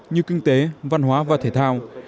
như kinh tế văn hóa và thể thao